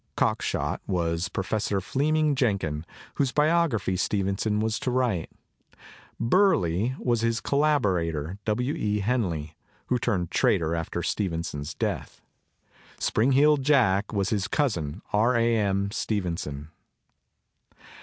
"Cockshot" was Professor Fleemini^ Jenkin, whose biography Stevenson was to write. "Burly" was his collaborator, W. E. Henley, who turned traitor alter Stevenson's death. "Spring heel'd Jaek " was his cousin, R. A. M. Stevenson.